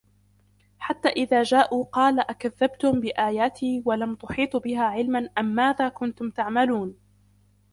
حَتَّى إِذَا جَاءُوا قَالَ أَكَذَّبْتُمْ بِآيَاتِي وَلَمْ تُحِيطُوا بِهَا عِلْمًا أَمَّاذَا كُنْتُمْ تَعْمَلُونَ